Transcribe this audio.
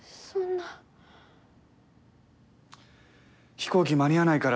飛行機間に合わないからって。